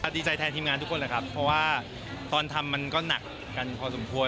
ดีใจแทนทีมงานทุกคนแหละครับเพราะว่าตอนทำมันก็หนักกันพอสมควร